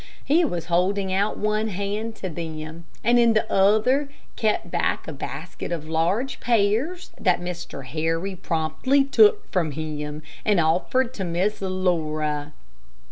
He was holding out one hand to them, and in the other kept back a basket of large pears that Mr. Harry promptly took from him, and offered to Miss Laura.